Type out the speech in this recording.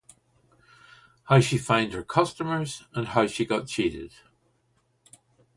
How she find her customers and how she got cheated.